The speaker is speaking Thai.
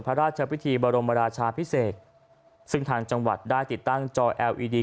พระราชพิธีบรมราชาพิเศษซึ่งทางจังหวัดได้ติดตั้งจอแอลอีดี